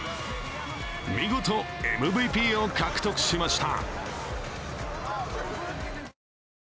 見事、ＭＶＰを獲得しました。